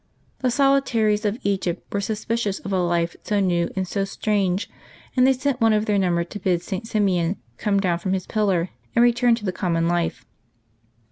The solitaries of Egypt were suspi cious of a life so new and so strange, and they sent one of their number to bid St. Simeon come down from his pillar and return to the common life.